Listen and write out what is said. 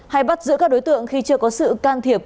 hay bắt giữ các đối tượng khi chưa có sự can thiệp